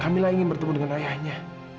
kamilah ingin bertemu dengan ayahnya